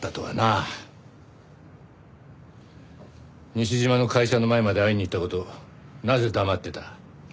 西島の会社の前まで会いに行った事なぜ黙ってた？